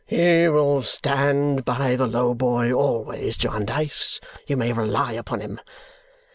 "He will stand by the low boy, always. Jarndyce, you may rely upon him!